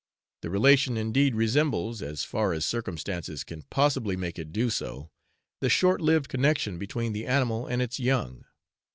The relation indeed resembles, as far as circumstances can possibly make it do so, the short lived connection between the animal and its young.